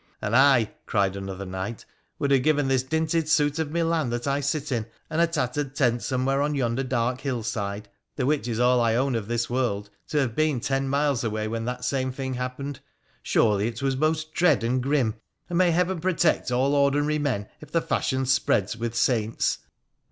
' And I,' cried another knight, ' would have given this dinted suit of Milan that I sit in, a.nd a tattered tent some where on yonder dark hillside (the which is all I own of this world), to have been ten miles away when that same thing happened. Surely it was most dread and grim, and may Heaven protect all ordinary men if the fashion spreads with saints